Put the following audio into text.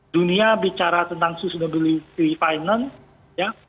dunia bicara tentang sustainability finance